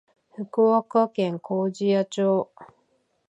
福岡県粕屋町